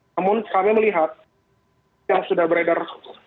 namun kami melihat yang sudah beredar